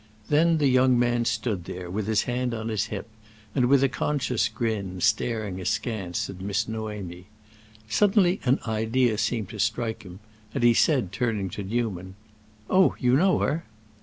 Then the young man stood there, with his hand on his hip, and with a conscious grin, staring askance at Miss Noémie. Suddenly an idea seemed to strike him, and he said, turning to Newman, "Oh, you know her?"